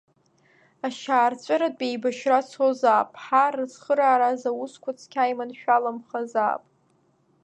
Ашьаарҵәыратә еибашьра цозаап, ҳар рыцхырааразы аусқәа цқьа иманшәаламхазаап.